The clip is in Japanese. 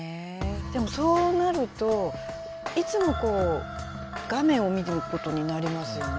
でもそうなるといつも画面を見てることになりますよね。